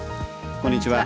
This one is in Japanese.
こんにちは。